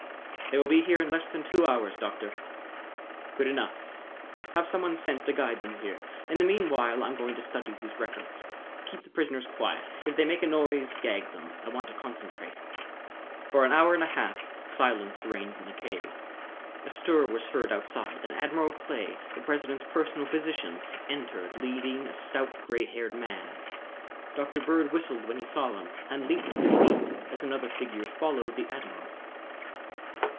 "They will be here in less than two hours, Doctor." "Good enough! Have some one sent to guide them here. In the meanwhile, I'm going to study these records. Keep the prisoners quiet. If they make a noise, gag them. I want to concentrate." For an hour and a half silence reigned in the cave. A stir was heard outside and Admiral Clay, the President's personal physician, entered leading a stout gray haired man. Dr. Bird whistled when he saw them and leaped to his feet as another figure followed the admiral.